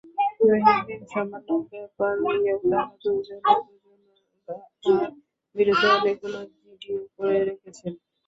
দৈনন্দিন সামান্য ব্যাপার নিয়েও তাঁরা দুজনে দুজনার বিরুদ্ধে অনেকগুলো জিডিও করে রেখেছেন।